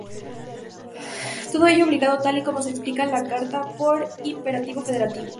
Todo ello obligado, tal y como se explica en la carta, por imperativo federativo.